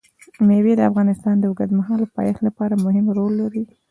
مېوې د افغانستان د اوږدمهاله پایښت لپاره مهم رول لري.